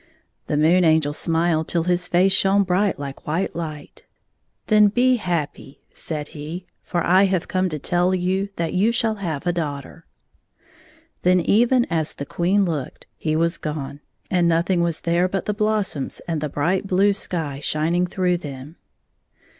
The Moon Angel smiled till his face shone bright like white hght. " Then be happy," said he, " For I have come to tell you that you shall have a daughter." Then, even as the Queen looked, he was gone, and nothing was there but the blossoms and the bright blue sky shining through them.